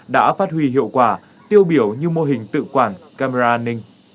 đã phát huy hiệu quả tiêu biểu như mô hình tự quản camera an ninh